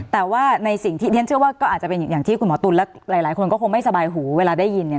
แต่ว่าในสิ่งที่เรียนเชื่อว่าก็อาจจะเป็นอย่างที่คุณหมอตุ๋นและหลายคนก็คงไม่สบายหูเวลาได้ยินเนี่ย